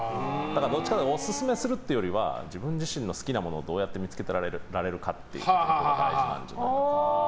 どっちかというとお勧めするってよりは自分自身の好きなものをどうやって見つけられるかっていうことが大事なんじゃないかなと思います。